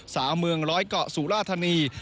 สาวเมืองร้อยเกาะสุราธานี